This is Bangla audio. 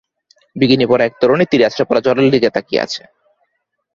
বিকিনি পরা এক তরুণী তীরে আছড়ে পড়া জলের দিকে তাকিয়ে আছে।